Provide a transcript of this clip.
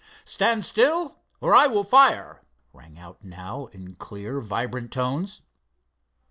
"Stand still or I will fire," rang out now in clear, vibrant tones.